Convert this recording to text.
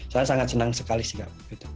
saya sangat senang sekali sih kak